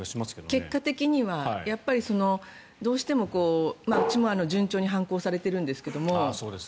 結果的には、どうしてもうちも順調に反抗されているんですが。